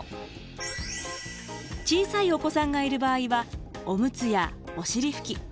小さいお子さんがいる場合はオムツやお尻ふき。